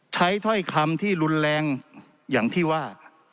ถ้อยคำที่รุนแรงอย่างที่ว่า